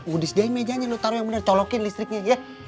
udis deh meja lo taruh yang bener colokin listriknya